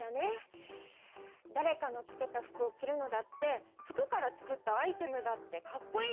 だれかの着てた服を着るのだって服から作ったアイテムだってかっこいいよ。